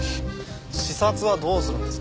視察はどうするんですか。